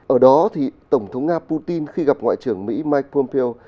ở đó thì tổng thống nga putin khi gặp ngoại trưởng mỹ mike pompeo